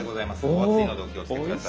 お熱いのでお気をつけ下さい。